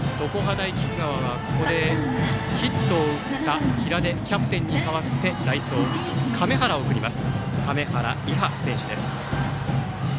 大菊川はここでヒットを打った平出キャプテンに代わって代走に亀原粋選手を送ります。